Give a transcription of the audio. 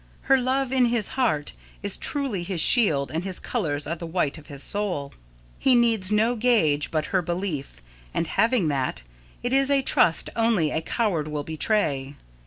Her love in his heart is truly his shield and his colours are the white of her soul. He needs no gage but her belief, and having that, it is a trust only a coward will betray.